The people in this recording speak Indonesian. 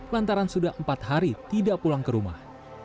lantaran sudah empat hari tidak pulang ke rumah